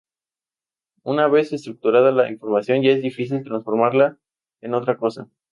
Una vez estructurada la información es ya difícil transformarla en otra cosa.